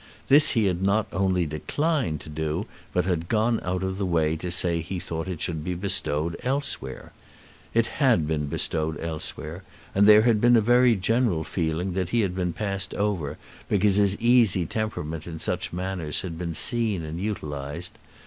This he had not only declined to do, but had gone out of the way to say that he thought it should be bestowed elsewhere. It had been bestowed elsewhere, and there had been a very general feeling that he had been passed over because his easy temperament in such matters had been seen and utilised.